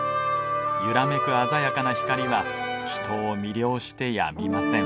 揺らめく鮮やかな光は人を魅了してやみません。